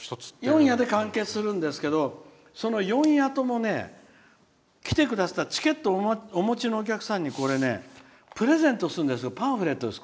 ４夜で完結するんですけど４夜とも来てくださったチケットお持ちのお客さんにプレゼントするパンフレットです。